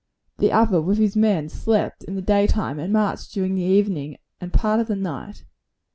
The other, with his men, slept in the day time, and marched during the evening and part of the night.